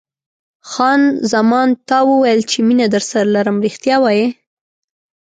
خان زمان: تا وویل چې مینه درسره لرم، رښتیا وایې؟